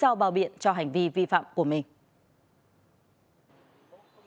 lý do bao biện cho hành vi vi phạm của mình